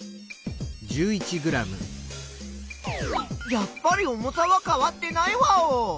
やっぱり重さはかわってないワオ！